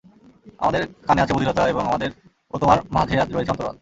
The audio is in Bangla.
আমাদের কানে আছে বধিরতা এবং আমাদের ও তোমার মাঝে রয়েছে অন্তরাল।